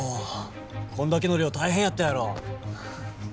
こんだけの量大変やったやろ。